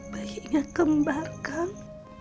baiknya kembar kang